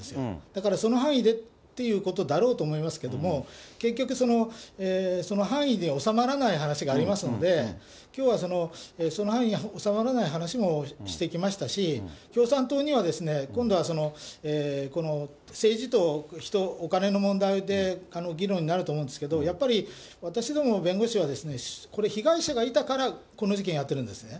だからその範囲でっていうことだろうと思いますけれども、結局、その範囲で収まらない話がありますので、きょうはその範囲に収まらない話もしてきましたし、共産党には今度はその政治と人、お金の問題で議論になると思うんですけど、やっぱり私ども弁護士は、これ、被害者がいたからこの事件やってるんですね。